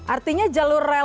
artinya jalur relaks